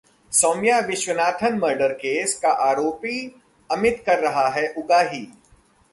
Saumya Vishwanathan murder case का आरोपी अमित कर रहा है उगाही